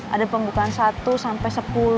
ada pembukaan satu sampai sepuluh